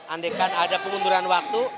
andai kan ada kemunduran waktu